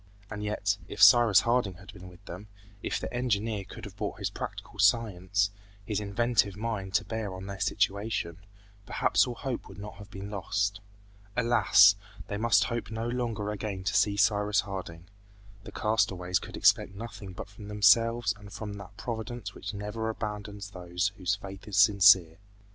And yet, if Cyrus Harding had been with them, if the engineer could have brought his practical science, his inventive mind to bear on their situation, perhaps all hope would not have been lost. Alas! they must hope no longer again to see Cyrus Harding. The castaways could expect nothing but from themselves and from that Providence which never abandons those whose faith is sincere.